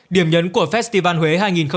điểm nhấn của festival huế hai nghìn hai mươi bốn